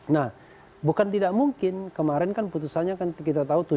nah bukan tidak mungkin kemarin kan putusannya kan kita tahu tujuh